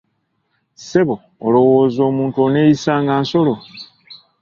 Ssebo olowooza omuntu oneeyisa nga nsolo?